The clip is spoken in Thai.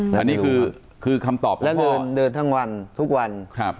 และเดินทั้งวันทุกวัน